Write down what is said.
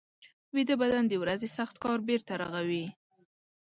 ویده بدن د ورځې سخت کار بېرته رغوي